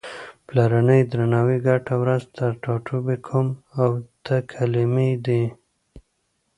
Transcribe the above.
پلرنی، درناوی، ګټه، ورځ، ټاټوبی، کوم او ته کلمې دي.